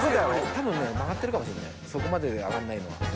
多分曲がってるかもしれないそこまで上がんないのは。